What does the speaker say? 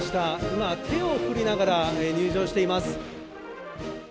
今、手を振りながら入場しています。